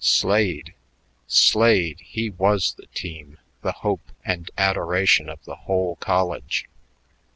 Slade! Slade! He was the team, the hope and adoration of the whole college.